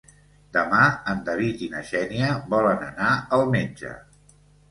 Demà en David i na Xènia volen anar al metge.